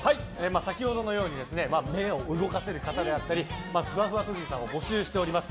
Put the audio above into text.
先ほどのように目を動かせる方であったりふわふわ特技さんを募集しております。